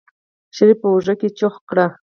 شريف په اوږه کې چوخ کړ.